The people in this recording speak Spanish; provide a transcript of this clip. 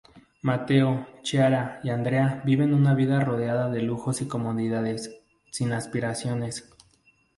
Matteo, Chiara y Andrea viven una vida rodeada de lujos y comodidades, sin aspiraciones.